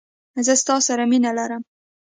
زه ستا سره مینه لرم.